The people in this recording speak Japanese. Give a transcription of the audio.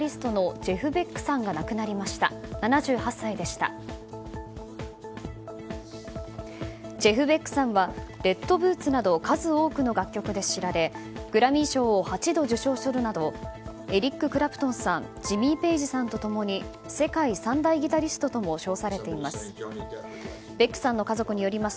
ジェフ・ベックさんは「レッド・ブーツ」など数多くの楽曲で知られグラミー賞を８度受賞するなどエリック・クラプトンさんジミー・ペイジさんとともに世界三大ギタリストとも称されています。